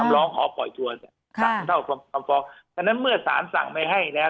คำล้องขอปล่อยตัวค่ะศักดิ์เท่ากับคำฟ้องฉะนั้นเมื่อสารสั่งไม่ให้นะฮะ